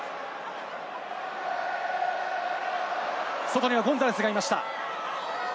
外にはゴンザレスがいました。